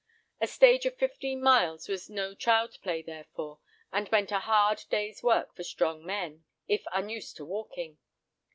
A stage of fifteen miles was no child's play therefore, and meant a hard day's work for strong men, if unused to walking.